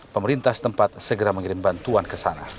pemerintah setempat segera mengirim bantuan ke sana